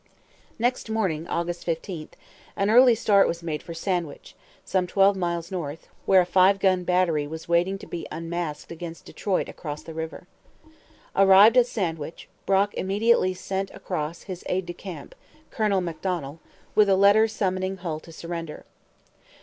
Next morning, August 15, an early start was made for Sandwich, some twelve miles north, where a five gun battery was waiting to be unmasked against Detroit across the river. Arrived at Sandwich, Brock immediately sent across his aide de camp, Colonel Macdonell, with a letter summoning Hull to surrender.